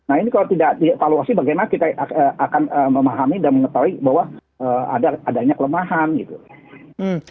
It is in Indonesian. nah ini kalau tidak dievaluasi bagaimana kita akan memahami dan mengetahui bahwa adanya kelemahan gitu